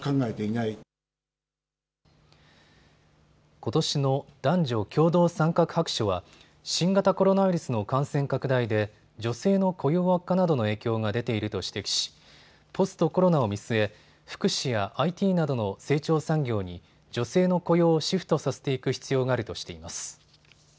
ことしの男女共同参画白書は新型コロナウイルスの感染拡大で女性の雇用悪化などの影響が出ていると指摘しポストコロナを見据え福祉やＩＴなどの成長産業に女性の雇用をシフトさせていく必要があるとしています。